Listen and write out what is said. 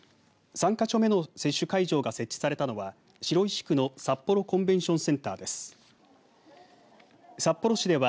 ３か所目の接種会場が設置されたのは白石区の札幌コンベンションセンターです。